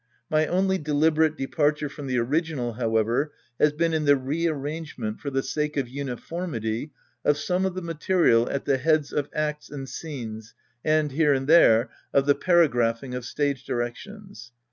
My only deliberate departure from the original, however, has been in the rearrangement, for the sake of uniformity, of some of the material at the heads of acts and scenes and, here and there, of the paragraphing of stage directions.